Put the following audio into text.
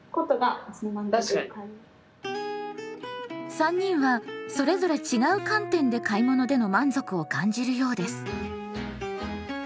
３人はそれぞれ違う観点で買い物での満足を感じるようです。